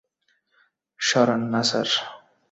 Saranya, sir.